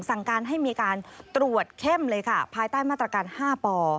สั่งการให้มีการตรวจเข้มเลยค่ะภายใต้มาตรการ๕ป